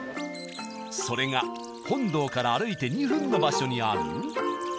それが本堂から歩いて２分の場所にある。